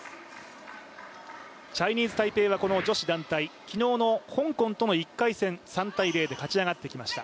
チャイニーズ・タイペイはこの女子団体、昨日の香港との１回戦、３−０で勝ち上がってきました。